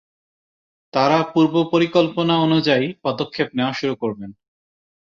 তারা পূর্ব পরিকল্পনা অনুযায়ী পদক্ষেপ নেয়া শুরু করেন।